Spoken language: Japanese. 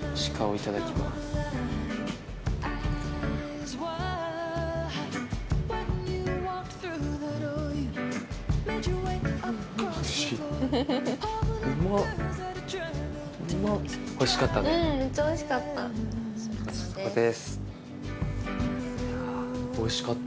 いやおいしかった。